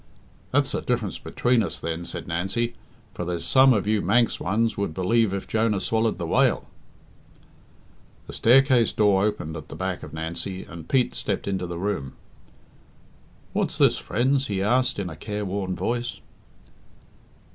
"That's the diff'rance between us, then," said Nancy; "for there's some of you Manx ones would believe if Jonah swallowed the whale." The staircase door opened at the back of Nancy, and Pete stepped into the room. "What's this, friends?" he asked, in a careworn voice.